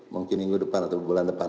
mungkin minggu depan atau bulan depan